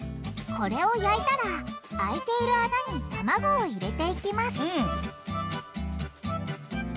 これを焼いたら空いている穴に卵を入れていきますうん。